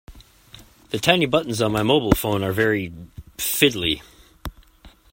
The tiny buttons on my mobile phone are very fiddly